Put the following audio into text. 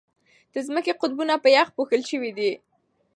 د ځمکې قطبونه په یخ پوښل شوي دي.